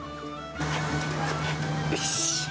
よし。